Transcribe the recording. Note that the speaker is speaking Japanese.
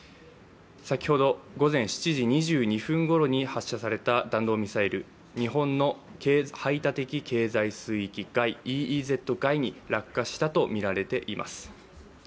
先ほど午前７時２２分ごろに発射された弾道ミサイル、日本の排他的経済水域外ＥＥＺ外に落下したものとみられます